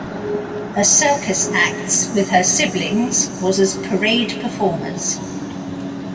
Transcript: Her circus acts with her siblings was as "parade performers".